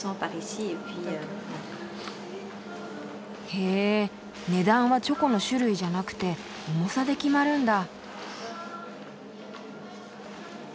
へ値段はチョコの種類じゃなくて重さで決まるんだ。